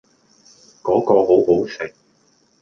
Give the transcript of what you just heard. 嗰個好好食